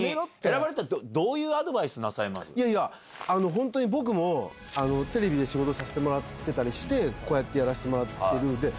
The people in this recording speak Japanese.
本当に僕もテレビで仕事させてもらってたりしてこうやってやらせてもらってるので。